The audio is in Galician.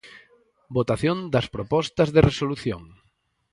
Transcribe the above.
Votación das proposta de resolución.